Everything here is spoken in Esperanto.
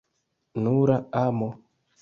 Nura amo!